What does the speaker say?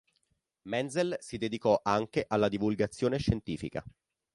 Menzel si dedicò anche alla divulgazione scientifica.